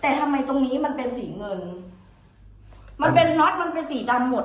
แต่ทำไมตรงนี้มันเป็นสีเงินมันเป็นน็อตมันเป็นสีดำหมด